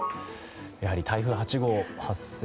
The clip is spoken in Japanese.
やはり台風８号発生。